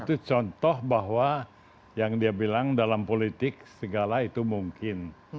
itu contoh bahwa yang dia bilang dalam politik segala itu mungkin